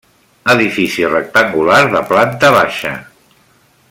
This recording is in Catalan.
Edifici rectangular de planta baixa.